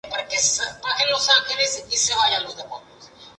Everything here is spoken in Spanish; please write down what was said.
Ella, Maggie Malone, divorciada tras ocho años de terrible matrimonio.